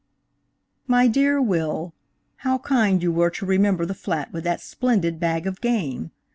MY DEAR WILL:–HOW kind you were to remember the flat with that splendid bag of game!